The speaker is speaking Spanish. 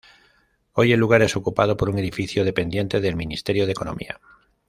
Hoy el lugar es ocupado por un edificio dependiente del Ministerio de Economía.